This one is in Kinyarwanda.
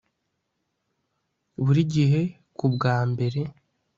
buri gihe kubwa mbere